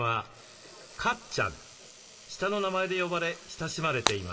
下の名前で呼ばれ親しまれています。